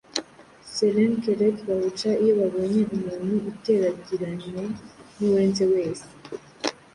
slnklk bawuca iyo babonye umuntu uteragiranywa nuwenze wese